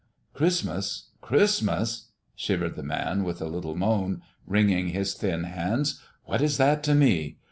"Christmas! Christmas!" shivered the man with a little moan, wringing his thin hands, "what is that to me!